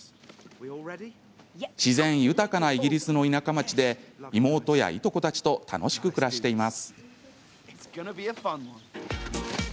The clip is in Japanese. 自然豊かなイギリスの田舎町で妹や、いとこたちと楽しく暮らしています。